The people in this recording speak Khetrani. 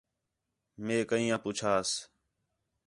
میں کئیں آ پُچھاس